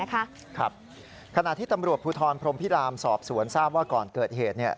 ขณะที่ตำรวจภูทรพรมพิรามสอบสวนทราบว่าก่อนเกิดเหตุ